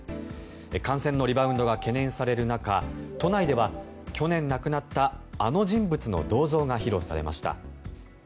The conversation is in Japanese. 感染のリバウンドが懸念される中都内では去年亡くなったあの人物の銅像が披露されました。